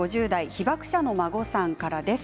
被爆者のお孫さんからです。